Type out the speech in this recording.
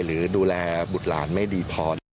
หรือดูแลบุตรหลานไม่ดีพอ